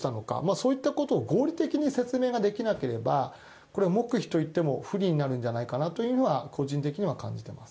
そういったことを合理的に説明できなければこれは黙秘といっても不利になるんじゃないかなというのは個人的には感じてます。